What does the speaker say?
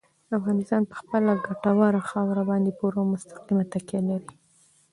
افغانستان په خپله ګټوره خاوره باندې پوره او مستقیمه تکیه لري.